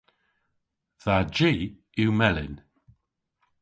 Dha ji yw melyn.